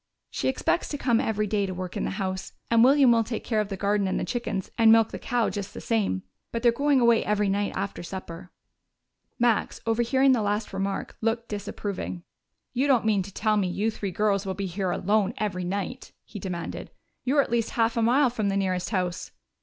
"She expects to come every day to work in the house, and William will take care of the garden and the chickens and milk the cow just the same. But they're going away every night after supper." Max, overhearing the last remark, looked disapproving. "You don't mean to tell me you three girls will be here alone every night?" he demanded. "You're at least half a mile from the nearest house."